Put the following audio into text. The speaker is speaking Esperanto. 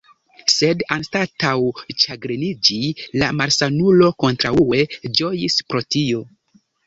Sed anstataŭ ĉagreniĝi, la malsanulo kontraŭe ĝojis pro tio.